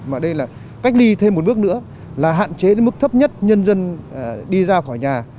mà đây là cách ly thêm một bước nữa là hạn chế đến mức thấp nhất nhân dân đi ra khỏi nhà